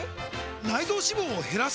内臓脂肪を減らす！？